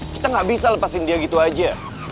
kita gak bisa lepasin dia gitu aja